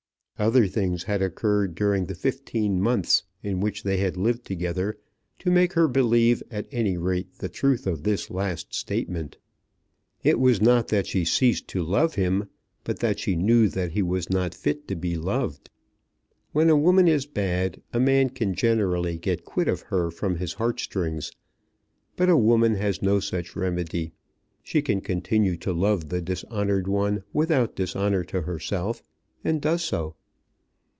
Other things had occurred during the fifteen months in which they had lived together to make her believe at any rate the truth of this last statement. It was not that she ceased to love him, but that she knew that he was not fit to be loved. When a woman is bad a man can generally get quit of her from his heartstrings; but a woman has no such remedy. She can continue to love the dishonoured one without dishonour to herself, and does so.